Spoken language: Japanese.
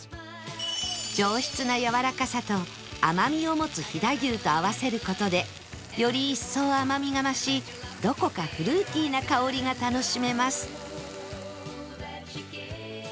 上質なやわらかさと甘みを持つ飛騨牛と合わせる事でより一層甘みが増しどこかフルーティーな香りが楽しめます